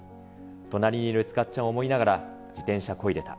隣にいる塚っちゃんを思いながら、自転車こいでた。